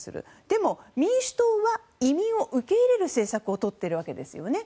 でも、民主党は移民を受け入れる政策をとっているわけですよね。